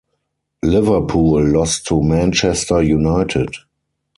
Liverpool lost to Manchester United.